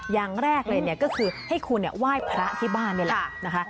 อย่างแรกเลยก็คือให้คุณไหว้พระที่บ้านเนี่ยแหละ